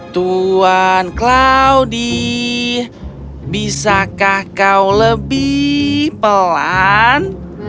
tuhan claudie bisakah kau lebih pelan